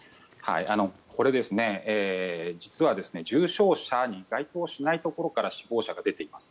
これ、実は重症者に該当しないところから死亡者が出ています